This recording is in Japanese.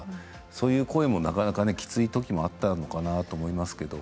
そういう声も、なかなかきつい時もあったのかなと思いますけど。